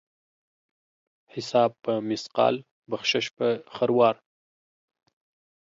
حساب په مثقال ، بخشش په خروار.